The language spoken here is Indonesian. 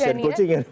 kasian kucing ya